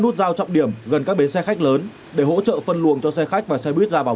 nút giao trọng điểm gần các bến xe khách lớn để hỗ trợ phân luồng cho xe khách và xe buýt ra bằng